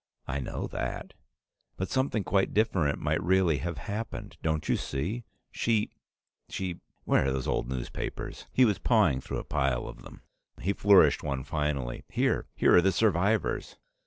"I know that." "But something quite different might really have happened! Don't you see? She she Where are those old newspapers?" He was pawing through a pile of them. He flourished one finally. "Here! Here are the survivors!"